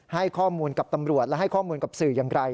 ให้ข้อมูลกับตำรวจและให้ข้อมูลกับสื่ออย่างไร